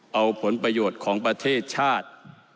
เอาผลประโยชน์ของประเทศชาติ